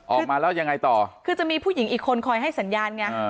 ออกมาแล้วยังไงต่อคือจะมีผู้หญิงอีกคนคอยให้สัญญาณไง